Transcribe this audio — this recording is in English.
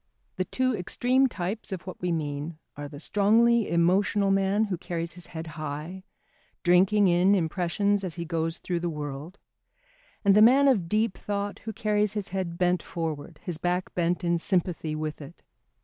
The two extreme types of what we mean are the strongly emotional man who carries his head high, drinking in impressions as he goes through the world; and the man of deep thought who carries his head bent forward, his back bent in sympathy with it.